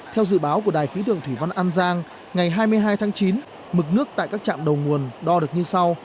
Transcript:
theo dự báo của đài khí tượng thủy văn an giang ngày hai mươi hai tháng chín mực nước tại các trạm đầu nguồn đo được như sau